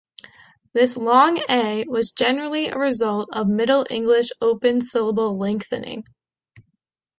This long A was generally a result of Middle English open syllable lengthening.